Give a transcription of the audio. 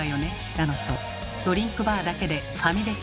だのとドリンクバーだけでファミレス